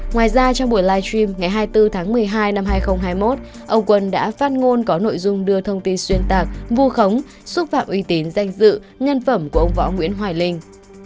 ngoài ra trong buổi live stream ngày hai mươi bốn tháng một mươi hai năm hai nghìn hai mươi một ông quân đã phát ngôn có nội dung đưa thông tin xuyên tạc vu khống xúc phạm uy tín danh dự nhân phẩm của ông võ nguyễn hoài linh